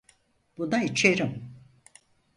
Buna içerim.